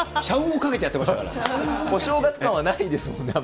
お正月感はないですもんね、